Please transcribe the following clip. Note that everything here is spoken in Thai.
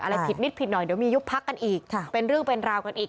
อะไรผิดนิดผิดหน่อยเดี๋ยวมียุบพักกันอีกเป็นเรื่องเป็นราวกันอีก